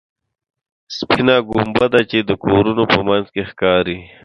سپینه ګنبده چې د کورونو په منځ کې ښکاري.